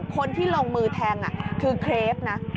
คนที่ลงมือแทงคือเครปนะ